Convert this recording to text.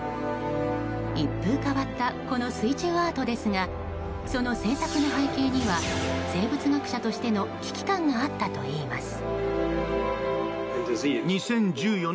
一風変わったこの水中アートですがその制作の背景には生物学者としての危機感があったといいます。